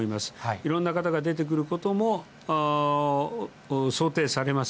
いろんな方が出てくることも想定されます。